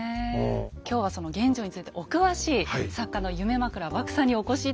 今日はその玄奘についてお詳しい作家の夢枕獏さんにお越し頂きました。